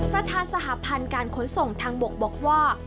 ประธานสหพันธ์การขนส่งทางบกบอกว่า